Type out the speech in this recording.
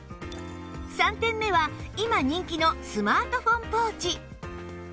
３点目は今人気のスマートフォンポーチ